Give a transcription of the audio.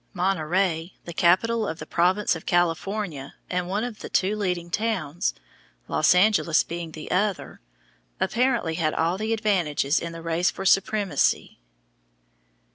Monterey, the capital of the province of California and one of the two leading towns (Los Angeles being the other), apparently had all the advantages in the race for supremacy.